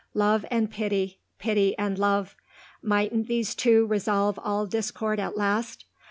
Love and pity; pity and love; mightn't these two resolve all discord at last?